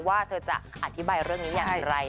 ว่าเธอจะอธิบายเรื่องนี้อย่างไร